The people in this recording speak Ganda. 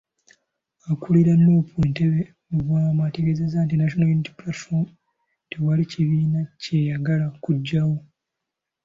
Akulira Nuupu Entebe, Lubwama, ategeezezza nti National Unity Platform tewali kibiina ky'eyagala kuggyawo.